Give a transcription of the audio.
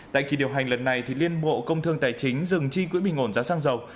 tại kỳ điều hành lần này liên bộ công thương tài chính dừng chi quỹ bình ổn giá xăng dầu